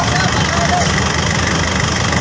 รถมันต่อไปเสียเนอะ